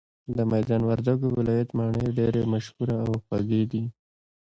د ميدان وردګو ولايت مڼي ډيري مشهوره او خوږې دي